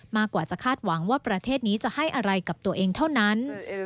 มากกว่าจะคาดหวังว่าประเทศนี้จะให้อะไรกับตัวเองเท่านั้น